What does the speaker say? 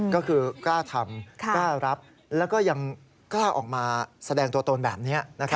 ก็คือกล้าทำกล้ารับแล้วก็ยังกล้าออกมาแสดงตัวตนแบบนี้